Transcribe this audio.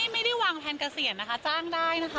ไม่ได้วางแทนเกษียณนะคะจ้างได้นะคะ